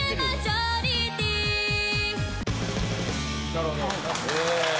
なるほど。